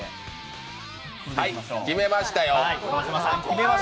決めましたよ。